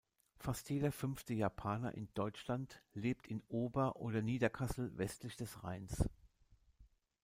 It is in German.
Fast jeder fünfte Japaner in Deutschland lebt in Ober- und Niederkassel westlich des Rheins.